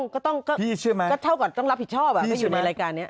ข้าก็ต้องรับผิดชอบแบบนี้